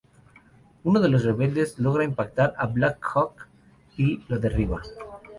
Uno de los rebeldes logra impactar al Black Hawk y lo derriba.